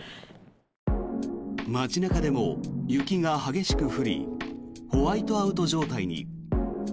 街中でも雪が激しく降りホワイトアウト状態に。